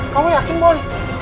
kau yakin bun